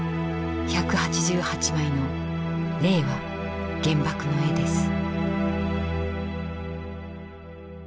１８８枚の「令和原爆の絵」です。